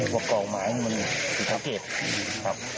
ว่ากล่องไม้มันอีกทั้งเก็บครับ